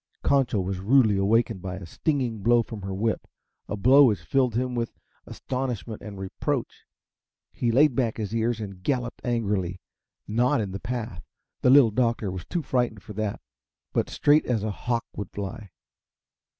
Concho was rudely awakened by a stinging blow from her whip a blow which filled him with astonishment and reproach. He laid back his ears and galloped angrily not in the path the Little Doctor was too frightened for that but straight as a hawk would fly.